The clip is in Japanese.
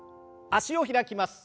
脚を開きます。